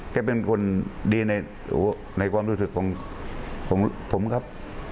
แกเป็นคนดีในความรู้สึกของผมครับ